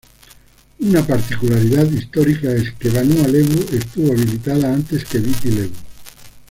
Una particularidad histórica es que Vanua Levu estuvo habitada antes que Viti Levu.